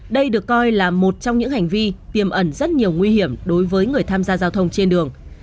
đây được coi là một trong những hành vi tiềm ẩn rất nhiều nguy hiểm đối với người tham gia giao thông trên đường